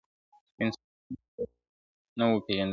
د انسان کمال یې نه وو پېژندلی ,